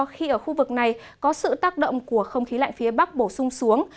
khi ở khu vực này có sự tác động của không khí lạnh phía bắc bổ sung xuống